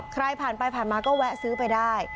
ใครผ่านไปผ่านมาก็แวะซื้อไปได้